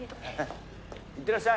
行ってらっしゃい。